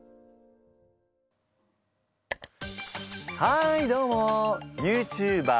はいどうも！